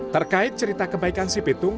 terkait cerita kebaikan si pitung